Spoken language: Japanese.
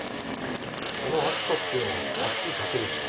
この暑さというのはあすだけですか。